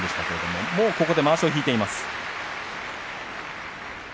もうまわしを引いています。